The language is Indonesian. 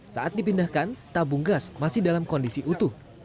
saat dipindahkan tabung gas masih dalam kondisi utuh